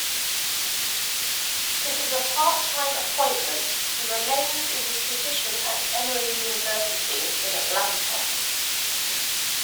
This is a part-time appointment-he remains in his position at Emory University, in Atlanta.